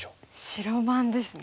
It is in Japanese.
白番ですね。